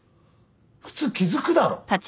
普通気付くだろ。